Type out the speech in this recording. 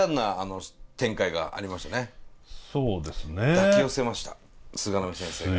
抱き寄せました菅波先生が。